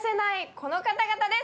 この方々です